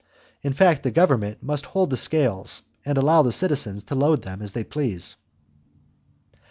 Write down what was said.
In fact, the government must hold the scales, and allow the citizens to load them as they please.